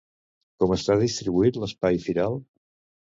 Com està distribuït l'espai firal?